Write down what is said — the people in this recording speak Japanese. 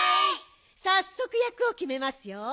さっそくやくをきめますよ。